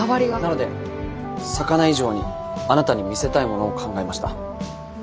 なので魚以上にあなたに見せたいものを考えました。